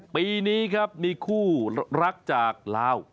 ปีนี้ครับมีคู่รักจากลาว